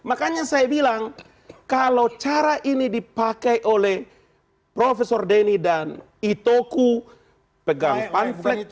makanya saya bilang kalau cara ini dipakai oleh profesor denny dan itoku pegang pan flex